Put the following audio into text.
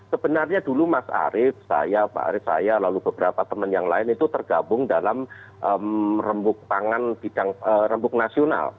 sebenarnya dulu mas arief saya pak arief saya lalu beberapa teman yang lain itu tergabung dalam rembuk pangan rembuk nasional